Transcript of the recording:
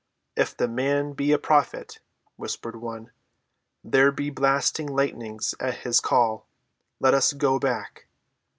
"If the man be a prophet," whispered one, "there be blasting lightnings at his call. Let us go back."